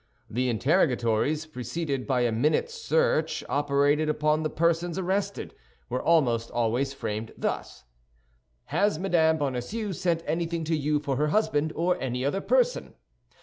The interrogatories, preceded by a minute search operated upon the persons arrested, were almost always framed thus: "Has Madame Bonacieux sent anything to you for her husband, or any other person?